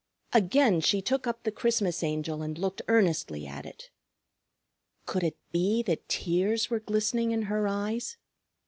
Again she took up the Christmas Angel and looked earnestly at it. Could it be that tears were glistening in her eyes?